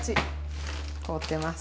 凍ってます。